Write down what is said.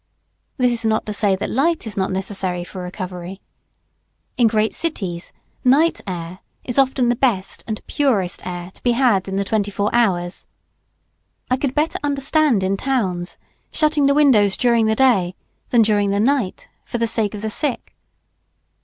This is not to say that light is not necessary for recovery. In great cities, night air is often the best and purest air to be had in the twenty four hours. I could better understand in towns shutting the windows during the day than during the night, for the sake of the sick.